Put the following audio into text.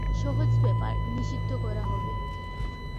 সহজ ব্যাপার, নিষিদ্ধ করা হবে।